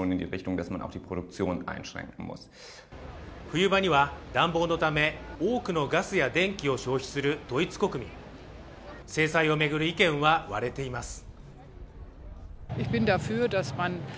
冬場には暖房のため多くのガスや電気を消費するドイツ国民制裁を巡る意見は割れています